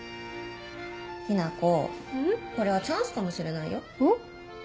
雛子これはチャンスかもしれないよ。